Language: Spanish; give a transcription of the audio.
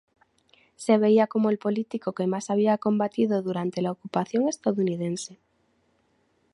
Se veía como el político que más había combatido durante la Ocupación Estadounidense.